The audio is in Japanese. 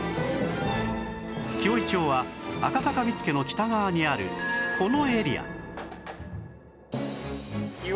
紀尾井町は赤坂見附の北側にあるこのエリア